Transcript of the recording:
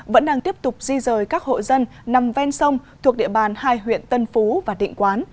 vẫn đang tiếp tục di rời các hộ dân nằm ven sông thuộc địa bàn hai huyện tân phú và định quán